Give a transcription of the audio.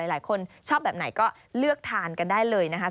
หลายคนชอบแบบไหนก็เลือกทานกันได้เลยนะคะ